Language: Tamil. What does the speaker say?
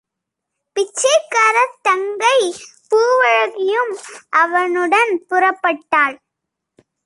பிச்சைக்காரத் தங்கை பூவழகியும் அவனுடன் புறப்பட்டாள்!